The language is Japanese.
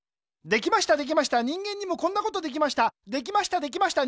できましたできました人間にもこんなことできました。